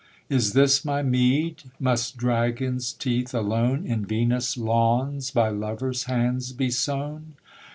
Is this my meed? Must dragons' teeth alone In Venus' lawns by lovers' hands be sown?